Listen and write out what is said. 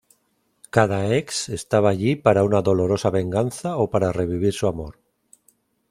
Cada ex estaba allí para una dolorosa venganza o para revivir su amor.